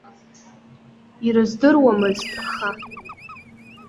Ирыздыруамызт, аха.